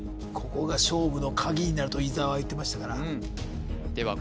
ここが勝負の鍵になると伊沢は言ってましたからでは